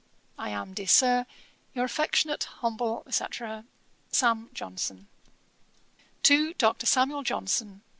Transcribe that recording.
I am, dear Sir, 'Your affectionate humble, &c. 'SAM. JOHNSON.' 'To DR. SAMUEL JOHNSON.